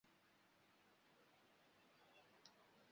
水分的不足使乔木难以立足。